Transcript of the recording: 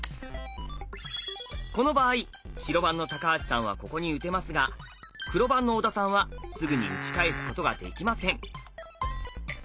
この場合白番の橋さんはここに打てますが黒番の小田さんはすぐに打ち返すことができません。